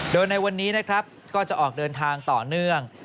โดยในวันนี้นะครับก็จะออกเดินทางต่อเนื่อง